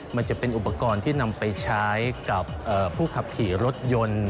มันจะเป็นอุปกรณ์ที่นำไปใช้กับผู้ขับขี่รถยนต์